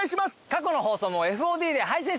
過去の放送もＦＯＤで配信してます。